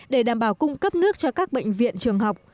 để đảm bảo cung cấp nước cho các bệnh viện trường học